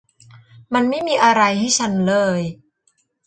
มันไม่มีอะไรให้ฉันเลย